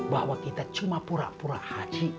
bahwa kita cuma pura pura hati